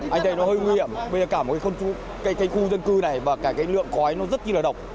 anh đây nó hơi nguy hiểm bây giờ cả một cái khu dân cư này và cả cái lượng khói nó rất là độc